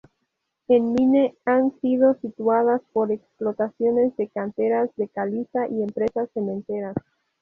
En Mine, han sido sustituidas por explotaciones de canteras de caliza y empresas cementeras.